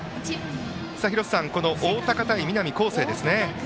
廣瀬さん、大高対南恒誠ですね。